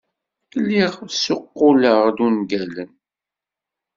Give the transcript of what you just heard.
Lliɣ ssuqquleɣ-d ungalen.